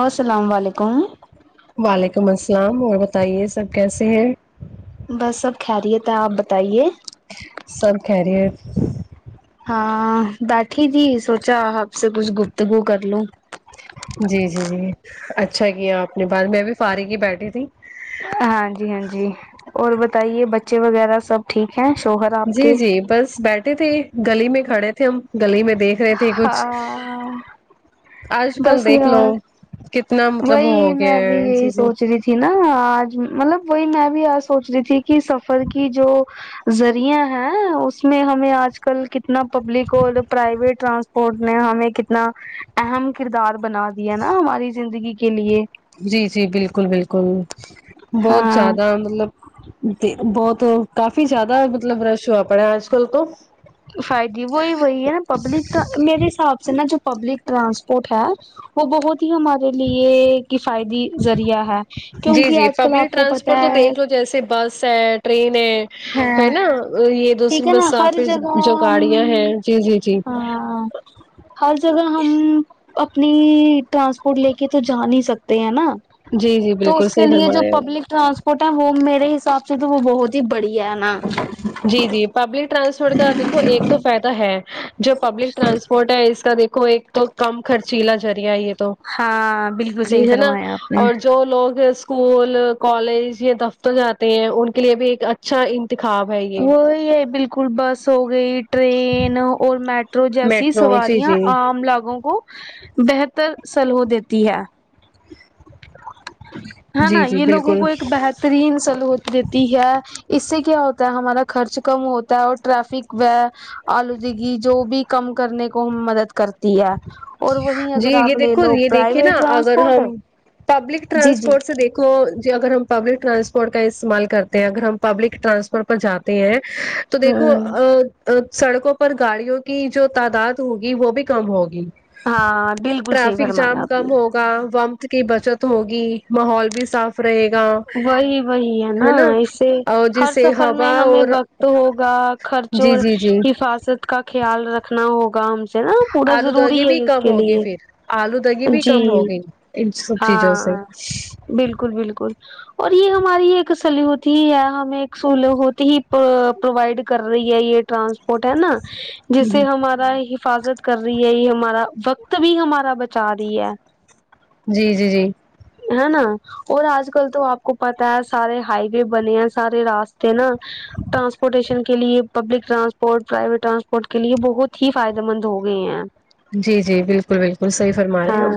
السلام علیکم وعلیکم السلام اور بتائیے سب کیسے ہیں بس سب کھیریت ہے آپ بتائیے سب کھیریت ہاں بیٹھی تھی سوچا آپ سے کچھ گفتگو کر لوں جی جی جی اچھا کیا آپ نے بات میں بھی فارغ ہی بیٹھی تھی ہاں جی ہاں جی اور بتائیے بچے وغیرہ سب ٹھیک ہے شوہر آپ جی کے جی بس بیٹھے تھے گلی میں کھڑے تھے ہم گلی میں دیکھ رہے تھے کچھ ہاں آج کل بس دیکھ لو یار کتنا مطلب ہو ہو وہی میں بھی گیا یہی چیزیں سوچ رہی تھی نہ آج مطلب وہی میں بھی ا سوچ رہی تھی کہ سفر کی جو ذریعہ ہیں اس میں ہمیں آج کل کتنا پبلک اور پرائیویٹ ٹرانس پورٹ نے ہمیں کتنا اہم کردار بنا دیا نہ ہماری زندگی کے لئے جی جی بالکل بالکل بہت ہاں زیادہ مطلب بہت کافی زیادہ مطلب رش ہوا پڑا آج کل تو فائدی وہی وہی ہے پبلک میرے حساب سے نہ جو پبلک ٹرانسپورٹ ہے وہ بہت ہی ہمارے لیے کیفائدی ذریعہ ہے جی کیونکہ جی آج کل آپ پبلک کو پتہ ٹرانسپورٹ تو ہے دیکھ لو جیسے بس ہے ٹرین ہے ہے نہ یہ ٹھیک دوسری ہے بس نا ہر سافر جگہ جو گاڑیاں ہم ہیں جی جی جی ہاں ہر جگہ ہم اپنی ٹرانسپورٹ لے کے تو جا نہیں سکتے ہے نہ جی جی تو بالکل اس کے صحیح لیے فرما جو رہے ہیں آپ پبلک ٹرانسپورٹ ہے وہ میرے حساب سے تو وہ بہت ہی بڑھیا ہے نہ جی جی پبلک ٹرانسپورٹ کا دیکھو ایک تو فائدہ ہے جو پبلک ٹرانسپ فوٹا ہے اس کا دیکھو ایک تو کم خرچیلہ ذریعہ ہے یہ تو ہاں بالکل جی صحیح ہے نہ فرمایا آپ نے اور جو لوگ اس اسکول کالج یا دفتر جاتے ہیں ان کے لیے بھی ایک اچھا انتخاب ہے یہ وہی ہے بالکل بس ہو گئی ٹرین اور میٹ تو جیسی میٹرو جی سواریاں جی عام لاگوں کو بہتر سلو دیتی ہے ہے نا جی جی یہ لوگوں بالکل کو ایک بہت ترین سلوت دیتی ہے اس سے کیا ہو تا ہے ہمارا خرچ کم ہوتا ہے اور ٹریفک وے آلودگی جو بھی کم کرنے کو ہم مدد کرتے تی ہے اور وہیں جی اگر یہ آپ لے دیکھو لو یہ دیکھیے پرائیویٹ نا اگر ٹرانسپورٹ ہم پبلک جی جی ٹرانسپورٹ سے دے کو جی اگر ہم پبلک ٹرانسپورٹ کا استعمال کرتے ہیں اگر ہم پبلک ٹرانسپورٹ پر جاتے ہیں تو دیکھو ہوں ا سڑکوں پر گاڑیوں کی جو تعداد ہوگی وہ بھی کم ہوگی ہاں بالکل صحیح فرمایا آپ نے اں ومت کی بچت ہوگی ماحول بھی صاف رہے گا وہی وہی ہے نہ ایسے اور ہر جس سے سفر ہوا میں ہمیں اور وقت ہوگا خرچوں جی جی جی حفاظت کا خیال رکھنا ہوگا سے نا پورا ضروری آلودودگی بھی ہے اس کم کے ہوگی لیے پھر آلودودگی بھی کم جی ہوگئی ان سب چیزوں سے ہاں بالکل بالکل اور یہ ہماری ایک سلیحت ہی ہے ہمیں ایک سولت ہی پرووائڈ کر رہی ہے یہ ٹرانسپورٹ ہے نا جسے ہمارا حفاظت کر رہی ہے یہ ہمارا وقت بھی ہمارا بچا رہی ہے جی جی جی ہے نا اور آج کل تو آپ کو پتا ہے سارے ہائی وے بنے ہیں سارے راستے نا ٹرانسپورٹیشن کے لیے پبلک ٹرانسپٹ ٹ پرائیویٹ ٹرانسپورٹ کے لیے بہت ہی فائدے مند ہو گئے ہیں جی جی بالکل بالکل صحیح فرما رہے ہیں ہاں ہم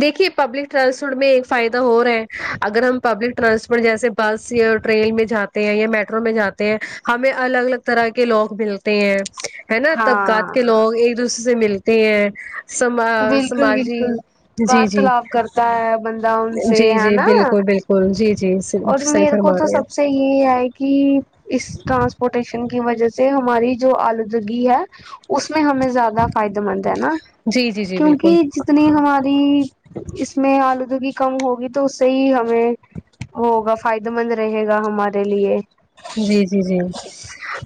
دیکھیے پبلک ٹرانسپورٹ میں ایک فائدہ ہو رہے اگر ہم پبلک ٹرانسپورٹ جیسے بس یا ٹرین میں جاتے ہیں یا میٹرو میں جاتے ہیں ہمیں الگ الگ طرح کے لوگ ملتے ہیں ہے نا طبقات ہاں کے لوگ ایک دوسرے سے ملتے ہیں سما بالکل سماجی بالکل جی جی وارتالپ کرتا ہے بندہ ان سے جی ہے جی نا بالکل بالکل جی جی اور صحیح میرے کو فرما تو رہے سب ہیں سے یہ ہے کہ اس ٹرانس روٹیشن کی وجہ سے ہماری جو آلودگی ہے اس میں ہمیں زیادہ فائدے مند ہے نا جی جی جی بالکل کیونکہ جتنی ہماری اس میں آلودگی کم ہوگی تو اس سے ہی ہمیں ہوگا فائدے مند رہے گا ہمارے لیے جی جی جی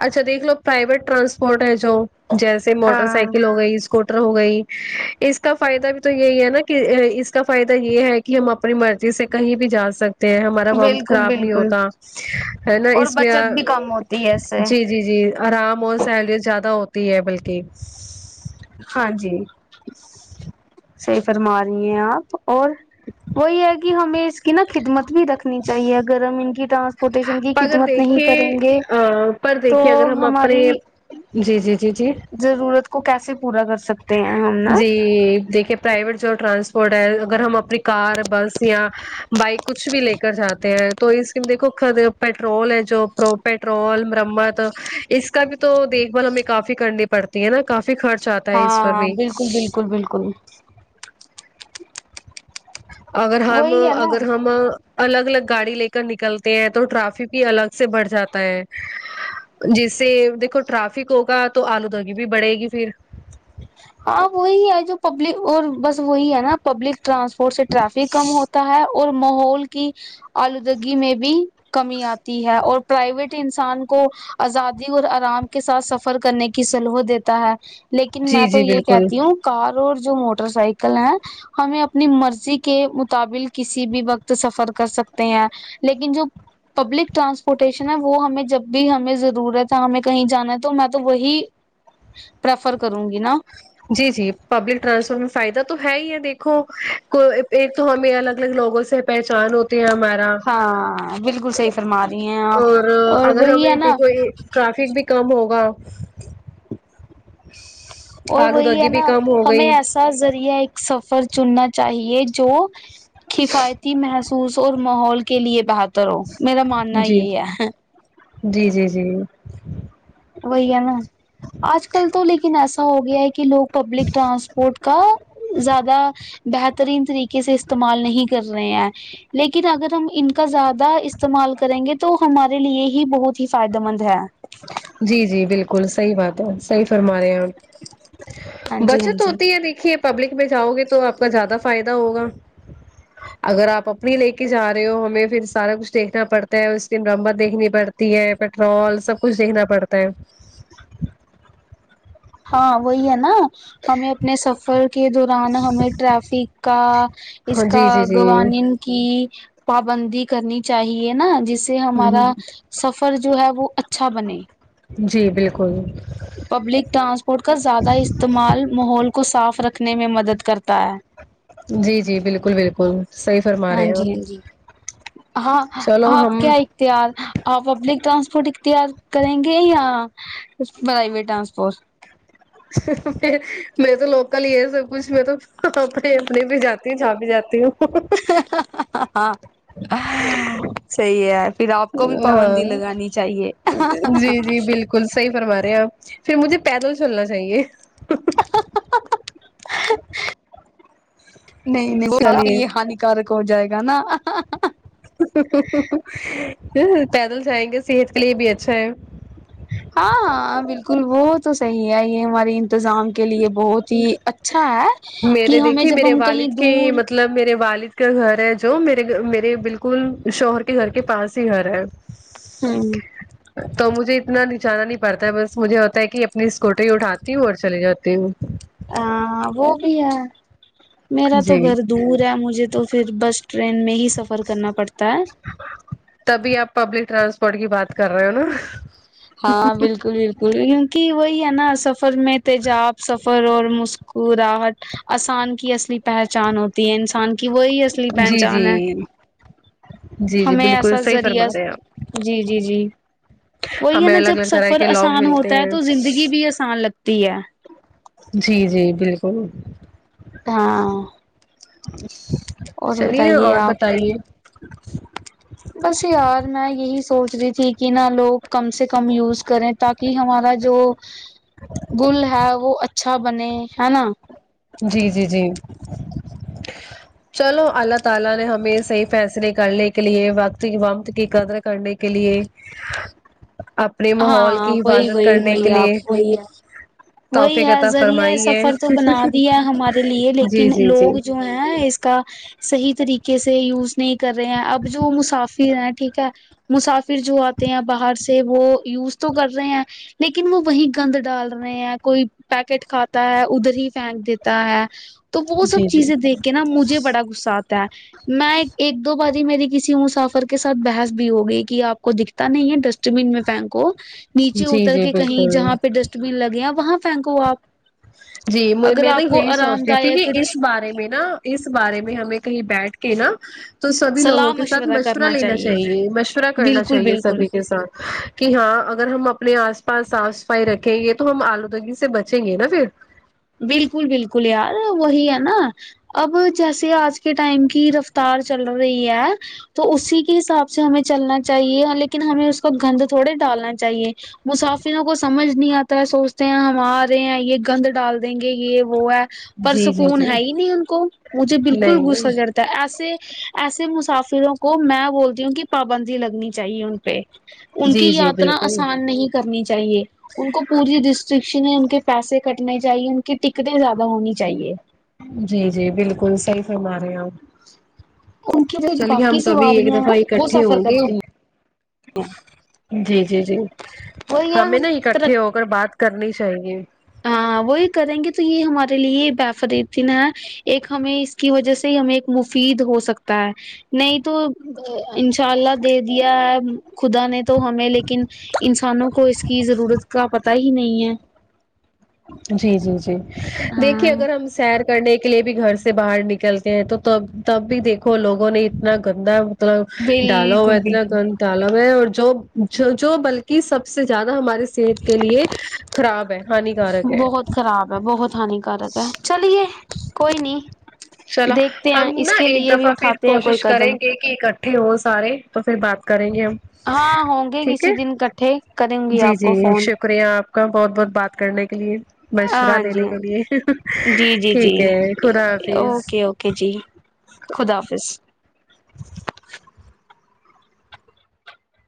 اچھا دیکھ لو پرائیویٹ ٹرانسپورٹ ہے جو جیسے سے موٹر ہاں سائیکل ہو گئی اس کو اسکٹر ہو گئی اس کا فائدہ بھی تو یہی ہے نا کہ اس کا فائدہ یہ ہے کہ کہ ہم اپنی مرضی سے کہیں بھی جا سک تے ہمارا ومت بالکل خراب نہیں بالکل ہوتا ہے نا اور اس میں بچت بھی کم ہوتی ہے اس سے جی جی جی آرام اور سیلری زیادہ ہوتی ہے بلکہ ہاں جی صحیح فرما رہی ہیں آپ اور وہی ہے کہ ہمیں اس کی نا خدمت بھی رکھنی چاہیے اگرم ان کی ٹرانس فوٹیشن کی اگر خدمت نہیں دیکھیے کریں گے پر تو دیکھیے اگر ہم اپنے ہماری جی جی جی جی ضرورت کو کیسے پورا کر سکتے تے ہم نا جی دیکھیے پرائیویٹ جو ٹرانسپورٹ ہے اگر ہم اپنی کار بس یا بائک کچھ بھی لے کر جاتے ہیں تو اسکیم دیکو ک پٹرول ہے جو پر پٹرول مرمت اس کا بھی تو دیکھ بال ہمیں کافی کرنی پڑتی ہے نا کافی خرچ آتا ہے اس پر ہاں بھی بالکل بالکل بالکل اگر ہم وہی ہے نا اگر ہم الگ الگ گاڑی لے کر نکلتے ہیں تو ٹرافک بھی الگ سے بڑھ جاتا ہے جس سے دیکھو ٹرافک ہوگا تو آلودگی بھی بڑھے گی پھر ہاں وہی ہے جو پبلک اور بس وہی ہے نا پبلک ٹرانسپورٹ سے ٹرافک کم ہوتا ہے اور ماحول کی آلودگی میں بھی کمی آتی ہے اور پرائیویٹ انسان کو آزادی اور آرام کے ساتھ سفر کرنے کی سہولت دیتا ہے لیکن لیکن میں جی تو جی یہ بالکل کہتی ہوں کار اور جو موٹر سائیکل ہیں ہمیں اپنی مرضی کے مطابل کسی بھی وقت سفر کر سکتے ہیں لیکن جو پبلک ٹرانسپورٹیشن ہے وہ ہمیں جب بھی ہمیں ضرورت ہے ہمیں کہیں جانا ہے تو میں تو وہی پرریفر کروں گی نا جی جی پبلک ٹرانسپورٹ میں فائدہ تو ہے ہی ہے دیکھو کو ایک تو ہمیں الگ الگ لوگوں سے پہچان ہوتے ہیں ہمارے ہاں بالکل صحیح فرما رہی ہیں آپ اور اگر وہی ہے ہمیں نا دیکھو ٹریفک بھی کم ہوگا اور وہی ہے آلوودگی بھی نا کم ہو گئی ہمیں ایسا ذریعہ ایک سفر چننا چاہیے جو کفایتی محسوس اور ماحول کے لیے بہتر ہو میرا ماننا جی یہ ہے جی جی جی وہی ہے نا آج کل تو لیکن ایسا ہو گیا ہے کہ لوگ پبلک ٹرانسپورٹ کا زیادہ بہترین طریقے سے استعمال نہیں کر رہے ہیں لیکن اگر ہم ان کا زیادہ استعمال کریں گے تو ہمارے لیے ہی بہت ہی فائدہ مند ہے جی جی بالکل صحیح بات ہے صحی فرما رہے ہیں آپ ہاں جی ہاں بچت جی ہوتی ہے دیکھیے پبلک میں جاؤ گے تو آپ کا زیادہ فائدہ ہوگا [unintelligible] اگر آپ اپنی لے کے جا رہے ہو ہمیں پھر سارا کچھ دیکھنا پڑتا ہے اور اسکن رمبر دیکھنی پڑتا ہے تی ہے پیٹرول سب کچھ دیکھنا پڑتا ہے ہاں وہی ہے نا ہمیں اپنے سفر کے دوران ہمیں ٹریافک کا اس ہاں کا جی جی جی گوانین کی پابندی کرنی چاہیے نا جس سے ہمارا ہوں سفر جو ہے وہ اچھا بنے جی بالکل پبلک ٹرانسپورٹ کا زیادہ استعمال ماحول کو صاف رکھنے میں مدد کرتا ہے جی جی بالکل بالکل صحیح فرما ہاں رہے ہو جی آپ ہاں جی ہاں چلو آپ ہم کیا اختیار آپ پبلک ٹرانسپورٹ اختیار کریں گے یا پرائیویٹ ٹرانسپورٹ میں تو لوکل ہی ہے سب کچھ میں تو اپنے اپنے بھی جاتی ہ چاہ بھی جاتی ہوں ہاں صحیح ہے پھر آپ کو بھی ہاں پابندی لگانی چاہیے گل سہ ہی فرما رہے ہیں آپ پھر مجھے پیدل چلنا چاہیے نہیں نہیں وہ س چلیے یہ ہانی کارک ہو جائے گا نا پیدل جائیں گے صحت کے لیے بھی اچھا ہے ہاں ہ بالکل وہ تو صحیح ہے یہ ہماری انتظام کے لیے بہت ہی اچھا ہے میرے کہ ہمیں دیکھیے جب میرے ہم کہیں والد کے دور مطلب میرے والد کا گھر ہے جو میرے میرے بالکل شوہر کے گھر کے پاس ہی گھر ہے ہوں تو مجھے اتنا نچانا نہیں پڑتا ہے بس مجھے ہوتا ہے کہ اپنی اسکوٹے اٹھاتی ہوں اور چلے جاتی ہوں ا وہ بھی ہے میرا تو جی گھر دور ہے مجھے تو پھر بس ٹرین میں ہی سفر کرنا پڑتا ہے تبھی آپ پبلک ٹرانسپورٹ کی بات کر رہے ہو نا ج ہاں بالکل بالکل کیونکہ وہی ہے نا سفر میں تیجاب سفر اور م کو راہٹ آسان کی اصلی پہچان ہوتی ہے انسان کہ وہی اصلی جی پہچان جی ہے جی جی ہمیں بالکل ایسا صحیح فرما ذریعہ رہے ہیں آپ جی جی جی وہی ہے ہمیں نا الگ جب الگ طرح سفر کے لوگ آسان ملتے ہوتا ہے ہیں تو زندگی بھی آسان لگتی ہے جی جی بالکل ہاں اور چلیے بتائیے اور آپ بتائیے بس یار میں یہی سوچ رہی تھی کہ نہ لوگ کم سے کم یوز کریں تاکہ ہمارا جو گل ہے وہ اچا اچھا بنے ہے نا جی جی جی چلو اللہ تعالی نے ہمیں صحیح فیصلے کرنے کے لیے وقت وقت کی قدر کرنے کے لیے آپ ہاں وہی وہی وہی آپ وہی آ وہی توفیق ہے عطا ذریعہ فرمائی ہے سفر تو بنا دیا ہمارے لیے جی لیکن جی جی لوگ جو ہے اس کا صحیح طریقے سے یوز نہیں کر رہے ہیں اب جو مسافر ہیں ٹھیک ہے مسافر جو آتے ہیں باہر سے وہ یوز تو کر رہے ہیں لیکن وہ وہی گند ڈال رہے ہیں کوئی پیکٹ کھاتا ہے ادھر ہی پھینک دیتا ہے تو وہ سب جی جی چیزیں دیکھ کے نا مجھے بڑا غصہ آتا ہے میں ایک دو باری میری کسی مسافر کے ساتھ بحث بھی ہو گئی کہ آپ کو دیکھ تا نہیں ہے ڈسٹ بین میں پینکو نیچے جی اتر جی کے کہیں بالکل جہاں پہ ڈسٹ لگے ہے وہاں پھینکو آپ جی اگر میں نے آپ کو یہی آرام سوچتی تھی کہ دایک اس بارے میں نا اس بارے میں ہمیں کہیں بیٹھ کے نا تو سبھی لوگوں کے ساتھ مشورہ لینا چاہیے مشورہ کرنا بالکل چاہیے بالکل سبھی کے ساتھ کہ ہاں اگر ہم اپنے آس پاس صاف صفائی رکھیں گے تو ہم آلودگی سے بچیں گے نا پھر بالکل بالکل یار وہی ہے نا اب جیسے آج کے ٹائم کی رفتار چل رہی ہے تو اسی کے حساب سے ہمیں چلنا چاہیے لیکن ہمیں اس کو گند تھوڑے ڈالنا چاہیے مسافروں کو سمجھ نہیں آتا ہے سوچتے ہیں ہم آ رہے ہیں یہ گند ڈال دیں گے یہ وہ ہے پر جی جی سکون جی ہے ہی نہیں ان کو مجھے بالکل نہیں غصہ نہیں کرتے ایسے ایسے مسافروں کو میں بولتی ہوں کہ پابندی لگنی چاہیے ان پہ ان جی کی جی یاتر بالکل آسان نہیں کرنی چاہیے ان کو پوری ریسٹرکشن ہے ان کے پیسے کٹنے چے چاہیے ان کی ٹکٹیں زیادہ ہونی چاہیے جی جی بالکل صحیح فرما رہے ہو ان کی جو چلیے باقی ہم کبھی ایک سواریاں دفعہ ہیں وہ اکٹھے سفر ہوں گے کرتی ہیں جی جی جی اور یہ ہاں میں ہم نہ ہی کر اکٹھے ترق ہو کر بات کرنی چاہیے ہاں وہی کریں گے تو یہ ہمارے لیے بے فریتی نہ ایک ہمیں اس کی وجہ سے ہی ہمیں ایک مفید ہو سکتا ہے نہیں تو انشاء اللہ دے دیا ہے خدا نے تو ہمیں لیکن انسانوں کو اس کی ضرورت کا پتا ہی نہیں ہے جی جی جی دیکھیے ہاں اگر ہم سیر کرنے کے لیے بھی گھر سے باہر نکلتے ہیں تو تب تب بھی دیکھو لوگوں نے اتنا گندا مطلب ڈالا ہوا ہے بالکل اتنا بالکل گند تالاب ہے اور جو جو جو بلکہ سب سے زیادہ ہماری صحت کے لیے خراب ہے ہانیکارک ہے بہت خراب ہے بہت ہانیکارک ہے چلیے کوئی نہیں چلو دیکھتے ہم ہیں اس نا کے ایک لیے بھی دفعہ پھر اٹھاتے ہیں کوئی کوشش کریں قدم گے کہ اکٹھے ہو سارے تو پھر بات کریں گے ہم ہاں ہوں گے ٹھیک کسی ہے دن اکٹھے جی جی شکریہ آپ کا بہت بہت بات کرنے کے لیے مشورہ ہاں جی دینے ہاں کے لیے جی جی جی ٹھیک ہے خدا جی حافظ اوکے اوکے جی خدا حافظ